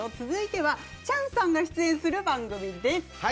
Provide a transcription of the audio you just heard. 続いてはチャンさんが出演する番組です。